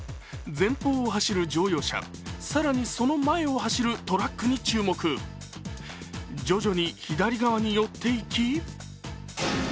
前方を走る乗用車、更に、その前を走るトラックに注目徐々に左側に寄っていき